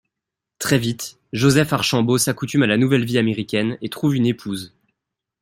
Très vite, Joseph Archambault s'accoutume à la nouvelle vie américaine et trouve une épouse.